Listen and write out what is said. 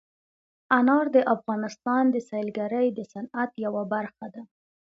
انار د افغانستان د سیلګرۍ د صنعت یوه برخه ده.